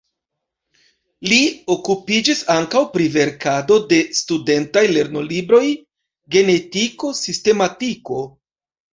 Li okupiĝis ankaŭ pri verkado de studentaj lernolibroj, genetiko, sistematiko.